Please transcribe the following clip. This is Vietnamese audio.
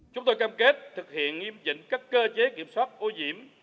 chúng tôi cam kết thực hiện nghiêm dịnh các cơ chế kiểm soát ô diễm